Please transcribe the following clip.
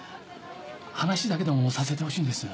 話だけでもさせてほしいんです。